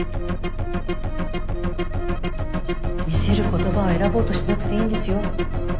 見せる言葉を選ぼうとしなくていいんですよ。